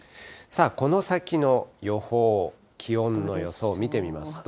この先の予報、気温の予想見てみますと。